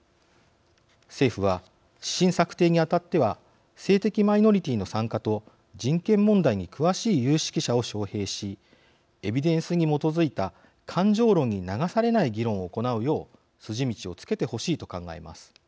政府は指針策定にあたっては性的マイノリティーの参加と人権問題に詳しい有識者を招へいしエビデンスに基づいた感情論に流されない議論を行うよう筋道をつけてほしいと考えます。